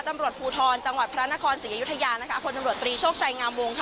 ตำรวจภูทรจังหวัดพระนครศรีอยุธยานะคะพลตำรวจตรีโชคชัยงามวงค่ะ